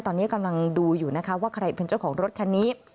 ตอนนี้กำลังดูอยู่นะคะว่าใครเป็นเจ้าของรถคันนี้